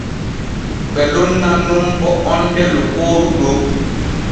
Ɓe lonnan nun bo onde lokooru ɗon.